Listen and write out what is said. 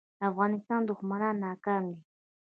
د افغانستان دښمنان ناکام دي